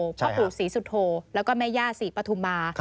พ่อปู่ศรีสุโธแล้วก็แม่ย่าศรีปฐุมา